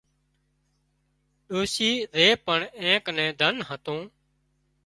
ڏوشيئي زي پڻ اين ڪنين ڌنَ هتون